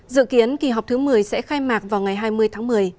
dự kiến kỳ họp thứ một mươi sẽ khai mạc vào ngày hai mươi tháng một mươi